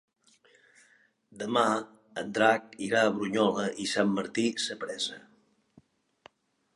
Demà en Drac irà a Brunyola i Sant Martí Sapresa.